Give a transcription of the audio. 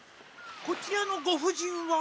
こちらのご婦人は？